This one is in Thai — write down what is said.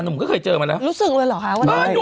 หนุ่มก็เคยเจอมาแล้วรู้สึกเลยเหรอคะวันนี้อ่าหนุ่มอ้วกไอ้เจอ